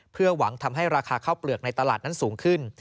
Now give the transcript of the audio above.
เพื่อหวังทำให้ราคาข้าวเปลือกในตลาดนั้นสูงขึ้น